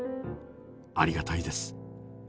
ありがたいです。